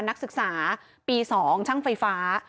นักศึกษาปี๒ช่างไฟฟ้า